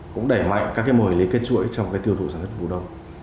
cũng đẩy mạnh các mở lý kết chuỗi trong tiêu thụ sản xuất vụ đông